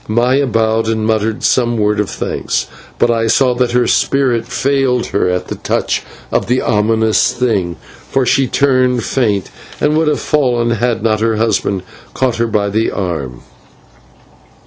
Maya bowed and muttered some words of thanks, but I saw that her spirit failed her at the touch of the ominous thing, for she turned faint and would have fallen had not her husband caught her by the arm.